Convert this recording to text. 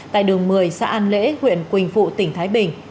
tại đường một mươi xã an lễ huyện quỳnh phụ tỉnh thái bình